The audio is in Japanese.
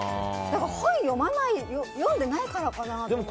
本を読んでないからかなとか。